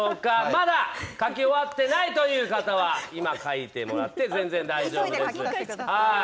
まだ書き終わっていない方は今、書いてもらって大丈夫です。